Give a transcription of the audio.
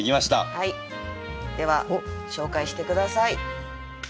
はいでは紹介して下さい。